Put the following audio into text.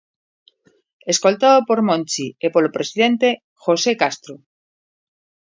Escoltado por Monchi e polo presidente, José Castro.